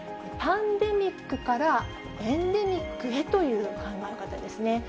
パンデミックからエンデミックへという考え方ですね。